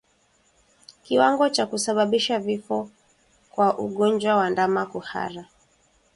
Kiwango cha kusababisha vifo kwa ugonjwa wa ndama kuhara